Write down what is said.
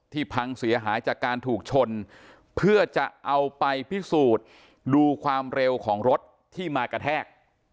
พังเสียหายจากการถูกชนเพื่อจะเอาไปพิสูจน์ดูความเร็วของรถที่มากระแทก